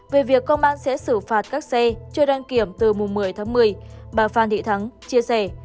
về việc công an sẽ xử phạt các xe chưa đăng kiểm từ mùng một mươi tháng một mươi bà phan thị thắng chia sẻ